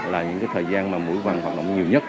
là những thời gian mũi vằn hoạt động nhiều nhất